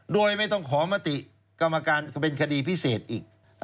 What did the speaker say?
โดยไม่ต้องขอมติกรรมการเป็นคดีพิเศษอีก